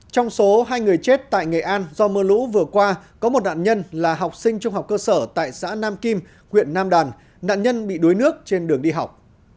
trong số hai người chết tại nghệ an do mưa lũ vừa qua có một nạn nhân là học sinh trung học cơ sở tại xã nam kim huyện nam đàn nạn nhân bị đuối nước trên đường đi học